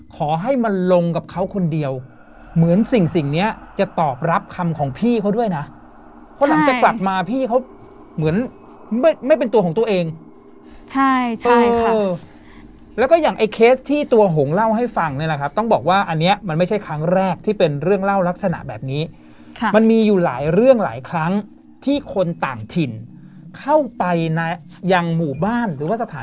ขอให้มันลงกับเขาคนเดียวเหมือนสิ่งสิ่งเนี้ยจะตอบรับคำของพี่เขาด้วยนะเพราะหลังจากกลับมาพี่เขาเหมือนไม่ไม่เป็นตัวของตัวเองใช่ใช่ค่ะแล้วก็อย่างไอ้เคสที่ตัวหงเล่าให้ฟังเนี่ยนะครับต้องบอกว่าอันนี้มันไม่ใช่ครั้งแรกที่เป็นเรื่องเล่าลักษณะแบบนี้ค่ะมันมีอยู่หลายเรื่องหลายครั้งที่คนต่างถิ่นเข้าไปในยังหมู่บ้านหรือว่าสถาน